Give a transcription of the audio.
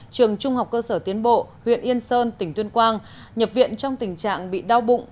trường trung học cơ sở tiến bộ huyện yên sơn tỉnh tuyên quang nhập viện trong tình trạng bị đau bụng